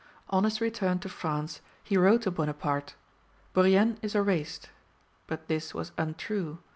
On his return to France he wrote to Bonaparte: "Bourrienne is erased." But this was untrue.